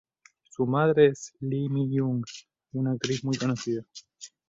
Su madre es Lee Mi Young, una actriz muy conocida.